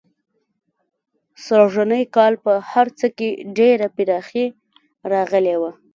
سږنی کال په هر څه کې ډېره پراخي راغلې وه.